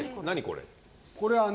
何これ。